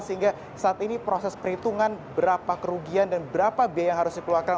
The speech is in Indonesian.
sehingga saat ini proses perhitungan berapa kerugian dan berapa biaya yang harus dikeluarkan